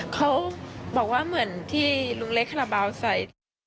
เขาบอกว่าเหมือนที่ลุงเล็กคาราบาลใส่